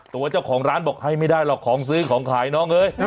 ตัวเจ้าของร้านบอกให้ไม่ได้หรอกของซื้อของขายน้องเอ้ย